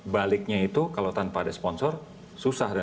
baliknya itu kalau tanpa ada sponsor susah